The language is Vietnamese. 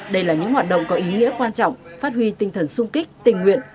đây là những hoạt động có ý nghĩa quan trọng phát huy tinh thần sung kích tình nguyện